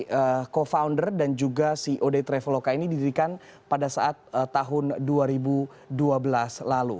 jadi co founder dan juga ceo dari traveloka ini didirikan pada saat tahun dua ribu dua belas lalu